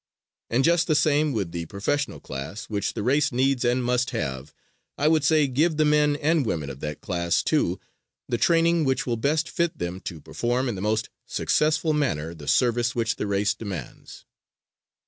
And just the same with the professional class which the race needs and must have, I would say give the men and women of that class, too, the training which will best fit them to perform in the most successful manner the service which the race demands.